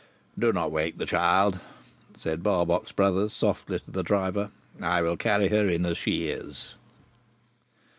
"Do not wake the child," said Barbox Brothers, softly, to the driver, "I will carry her in as she is."